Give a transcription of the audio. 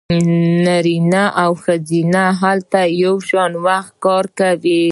نارینه او ښځینه هلته یو شان وخت کار کوي